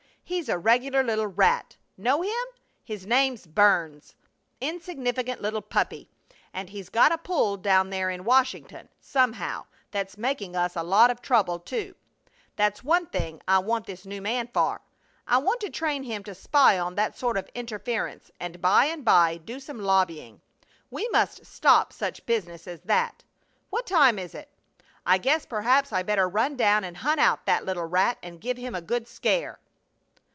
He's a regular little rat! Know him? His name's Burns. Insignificant little puppy! And he's got a pull down there in Washington, somehow, that's making us a lot of trouble, too! That's one thing I want this new man for. I want to train him to spy on that sort of interference and by and by do some lobbying. We must stop such business as that. What time is it? I guess perhaps I better run down and hunt out that little rat and give him a good scare."